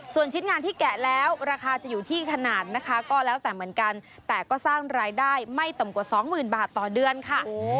ส่วนชิ้นงานที่แกะแล้วราคาจะอยู่ที่ขนาดนะคะก็แล้วแต่เหมือนกันแต่ก็สร้างรายได้ไม่ต่ำกว่าสองหมื่นบาทต่อเดือนค่ะ